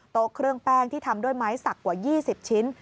โต๊ะเครื่องแป้งที่ทำด้วยไม้สักกว่า๒๐ชิ้น